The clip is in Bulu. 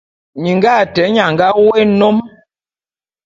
Minga ate nnye a nga wôé nnôm.